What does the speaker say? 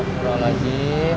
terus berangkat lagi